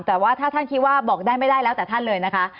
แต่ว่าถ้าท่านคิดว่าบอกได้ไม่ได้แล้วแต่ท่านเลยนะคะ